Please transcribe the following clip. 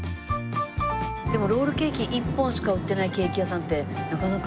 でもロールケーキ一本しか売ってないケーキ屋さんってなかなか。